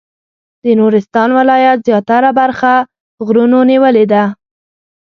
د نورستان ولایت زیاتره برخه غرونو نیولې ده.